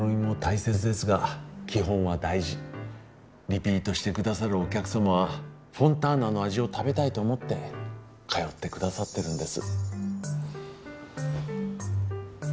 リピートしてくださるお客様はフォンターナの味を食べたいと思って通ってくださってるんです。